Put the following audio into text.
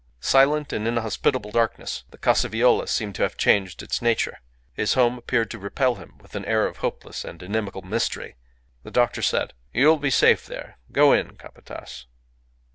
Silent in inhospitable darkness, the Casa Viola seemed to have changed its nature; his home appeared to repel him with an air of hopeless and inimical mystery. The doctor said "You will be safe there. Go in, Capataz."